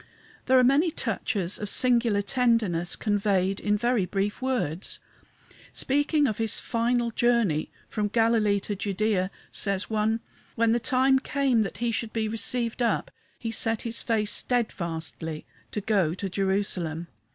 There are many touches of singular tenderness conveyed in very brief words. Speaking of his final journey from Galilee to Judæa, says one: "When the time came that he should be received up he set his face steadfastly to go to Jerusalem."